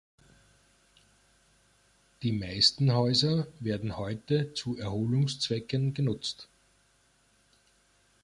Die meisten Häuser werden heute zu Erholungszwecken genutzt.